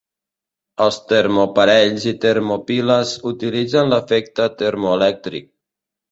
Els termoparells i termopiles utilitzen l'efecte termoelèctric.